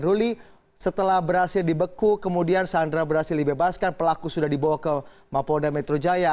ruli setelah berhasil dibeku kemudian sandra berhasil dibebaskan pelaku sudah dibawa ke mapolda metro jaya